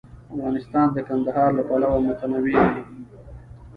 افغانستان د کندهار له پلوه متنوع دی.